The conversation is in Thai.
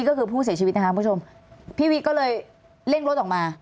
ก็คือผู้เสียชีวิตนะคะคุณผู้ชมพี่วิทย์ก็เลยเร่งรถออกมา